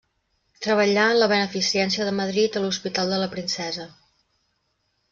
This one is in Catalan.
Treballà en la Beneficència de Madrid a l’Hospital de la Princesa.